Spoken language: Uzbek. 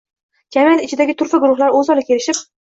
Jamiyat ichidagi turfa guruhlar o‘zaro kelishib